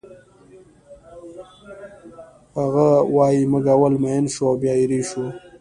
هغه وایی موږ اول مین شو او بیا ایرې شو